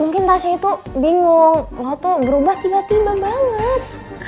mungkin tasya itu bingung lo tuh berubah tiba tiba banget